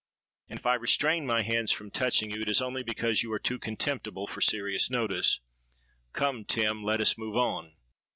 And if I restrain my hands from touching you, it is only because you are too contemptible for serious notice. Come, Tim: let us move on.'